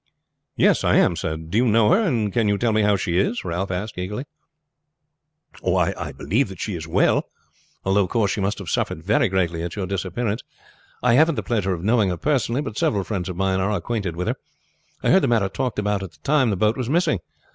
"Yes, I am, sir. Do you know her, and can you tell me how she is?" Ralph asked eagerly. "I believe that she is well, although of course she must have suffered very greatly at your disappearance. I haven't the pleasure of knowing her personally, but several friends of mine are acquainted with her. I heard the matter talked about at the time the boat was missing.